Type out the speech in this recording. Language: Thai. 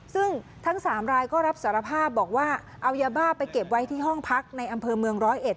ซึ่งทั้งสามรายก็รับสารภาพบอกว่าเอายาบ้าไปเก็บไว้ที่ห้องพักในอำเภอเมืองร้อยเอ็ด